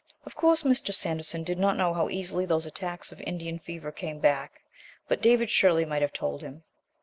Of course, Mr. Sanderson did not know how easily those attacks of Indian fever came back, but David surely might have told him.